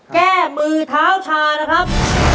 แก้มือเท้าชานะครับ